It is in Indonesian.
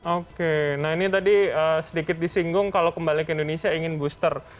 oke nah ini tadi sedikit disinggung kalau kembali ke indonesia ingin booster